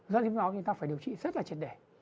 dẫn đến đó chúng ta phải điều trị rất là triệt đẻ